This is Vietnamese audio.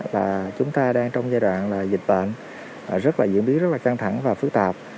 và chúng ta đang trong giai đoạn là dịch bệnh rất là diễn biến rất là căng thẳng và phức tạp